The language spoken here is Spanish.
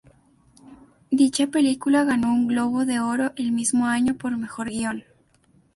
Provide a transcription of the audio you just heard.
Dicha película ganó un Globo de Oro el mismo año por mejor guion.